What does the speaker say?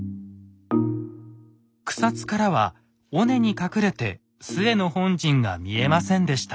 草津からは尾根に隠れて陶の本陣が見えませんでした。